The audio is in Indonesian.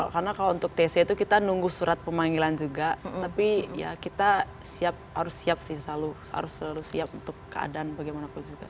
karena kalau untuk tc itu kita nunggu surat pemanggilan juga tapi ya kita harus siap sih selalu harus selalu siap untuk keadaan bagaimanapun juga